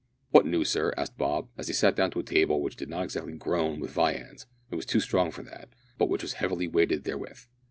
"What news, sir?" asked Bob, as they sat down to a table which did not exactly "groan" with viands it was too strong for that but which was heavily weighted therewith.